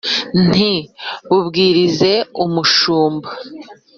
Nti: bubwirize umushumba